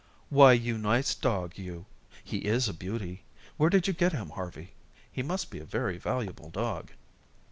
"Why, you nice dog, you. He is a beauty. Where did you get him, Harvey? He must be a very valuable dog."